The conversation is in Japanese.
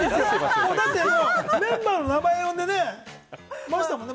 だってメンバーの名前を呼んでね、待ってたもんね。